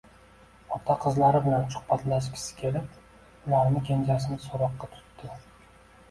Ota qizlari bilan suhbatlashgisi kelib, ularning kenjasini so`roqqa tutdi